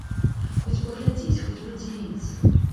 Хоць паглядзець, хоць падзівіцца.